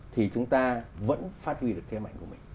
thì chúng ta vẫn phát huy được thêm ảnh của mình